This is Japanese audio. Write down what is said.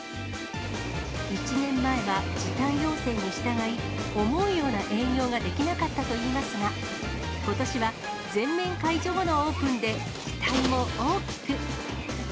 １年前は時短要請に従い、思うような営業ができなかったといいますが、ことしは全面解除後のオープンで、期待も大きく。